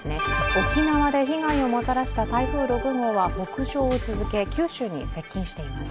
沖縄で被害をもたらした台風６号は北上を続け九州に接近しています。